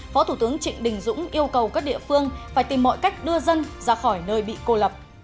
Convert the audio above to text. phó thủ tướng trịnh đình dũng yêu cầu các địa phương phải tìm mọi cách đưa dân ra khỏi nơi bị cô lập